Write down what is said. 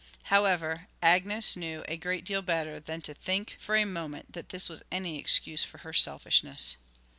However, Agnes knew a great deal better than to think for a moment that this was any excuse for her selfishness.